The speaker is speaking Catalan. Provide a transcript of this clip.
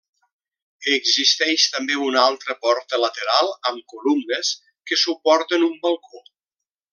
Existeix també una altra porta lateral amb columnes que suporten un balcó.